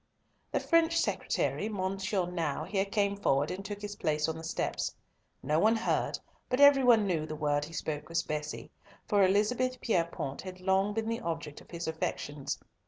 The French secretary, Monsieur Nau, here came forward and took his place on the steps. No one heard, but every one knew the word he spoke was "Bessie," for Elizabeth Pierrepoint had long been the object of his affections.